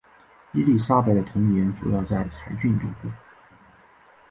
伊丽莎白的童年主要在柴郡度过。